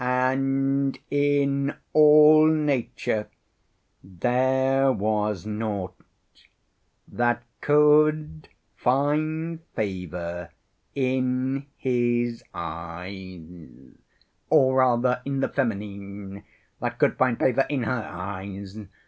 "And in all nature there was naught That could find favor in his eyes— or rather in the feminine: that could find favor in her eyes.